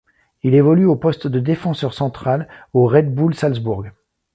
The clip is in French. Il évolue au poste de défenseur central, aux Red Bull Salzbourg.